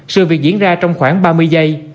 sự việc diễn ra trong khoảng ba mươi giây